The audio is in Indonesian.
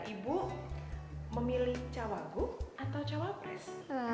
ibu memilih cawagup atau cawapres